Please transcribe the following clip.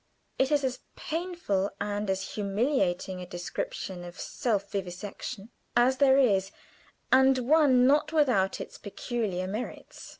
It is as painful and as humiliating a description of self vivisection as there is, and one not without its peculiar merits.